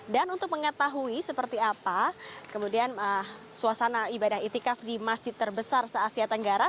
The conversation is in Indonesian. dan untuk mengetahui seperti apa kemudian suasana ibadah etikaf di masjid terbesar se asia tenggara